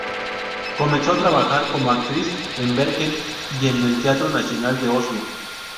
Comenzó a trabajar como actriz en Bergen y en el Teatro Nacional de Oslo.